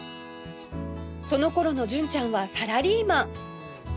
その頃の純ちゃんはサラリーマン